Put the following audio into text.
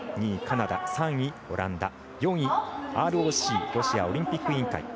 ２位、カナダ、３位、オランダ４位、ＲＯＣ＝ロシアオリンピック委員会。